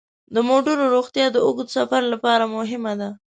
د موټرو روغتیا د اوږد سفر لپاره مهمه ده.